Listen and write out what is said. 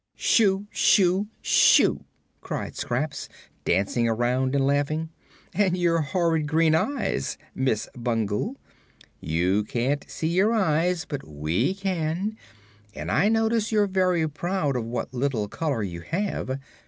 "Shoo shoo shoo!" cried Scraps, dancing around and laughing. "And your horrid green eyes, Miss Bungle! You can't see your eyes, but we can, and I notice you're very proud of what little color you have.